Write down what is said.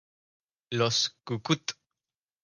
Los ¡Cu-Cut!